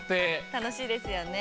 たのしいですよね。